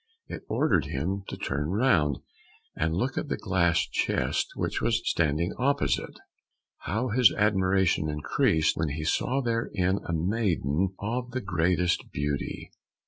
It ordered him to turn round and look at the glass chest which was standing opposite. How his admiration increased when he saw therein a maiden of the greatest beauty!